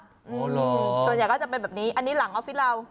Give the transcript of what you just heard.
โจทยาก็จะเป็นแบบนี้อันนี้หลังออฟฟิศเรา